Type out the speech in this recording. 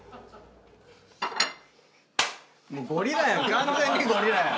完全にゴリラやん。